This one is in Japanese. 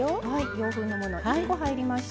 洋風のものが２個入りました。